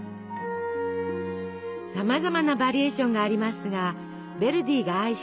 さまざまなバリエーションがありますがヴェルディが愛した